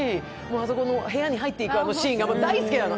あそこの部屋に入っていくシーンが大好きなの。